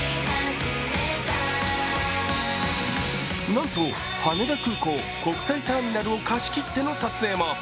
なんと羽田空港国際ターミナルを貸し切っての撮影も。